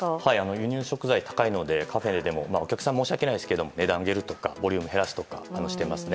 輸入食材高いのでカフェでもお客さんに申し訳ないんですけど値段を上げるとかボリュームを減らすとかしています。